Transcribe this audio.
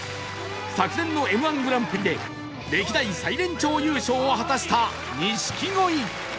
昨年の Ｍ−１ グランプリで歴代最年長優勝を果たした錦鯉